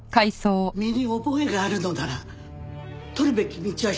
身に覚えがあるのなら取るべき道は一つのはずです。